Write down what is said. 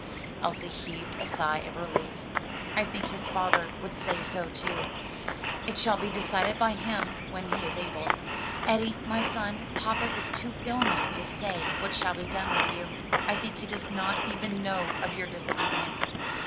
Elsie heaved a sigh of relief. "I think his father would say so too; it shall be decided by him when he is able. Eddie, my son, papa is too ill now to say what shall be done with you. I think he does not even know of your disobedience.